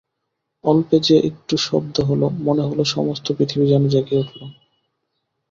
অল্প যে একটু শব্দ হল, মনে হল সমস্ত পৃথিবী যেন জেগে উঠল।